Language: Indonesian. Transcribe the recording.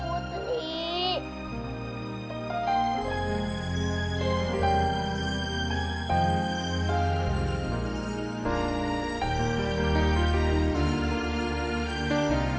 bunda dari cepet datang